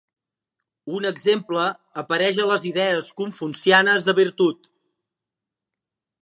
Un exemple apareix a les idees confucianes de virtut.